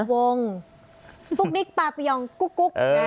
วงตุ๊กลิ้กป้าปริยองกุ๊กกุ๊ก